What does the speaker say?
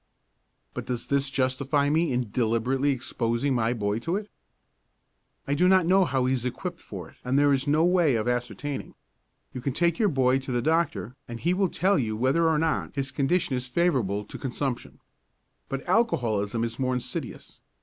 But does this justify me in deliberately exposing my boy to it? I do not know how he is equipped for it and there is no way of ascertaining. You can take your boy to the doctor and he will tell you whether or not his condition is favourable to consumption. But alcoholism is more insidious.